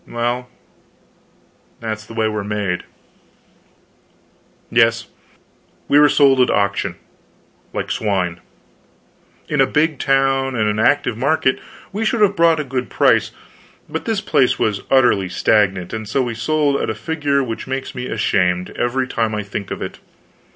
Well, that's the way we are made. Yes, we were sold at auction, like swine. In a big town and an active market we should have brought a good price; but this place was utterly stagnant and so we sold at a figure which makes me ashamed, every time I think of it.